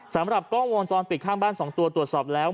สำหรับกล้องวงจรปิดข้างบ้าน๒ตัวตรวจสอบแล้ว